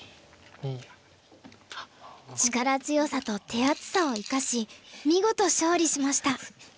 力強さと手厚さを生かし見事勝利しました。